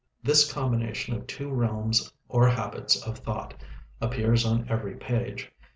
This combination of two realms or habits of thought appears on every page.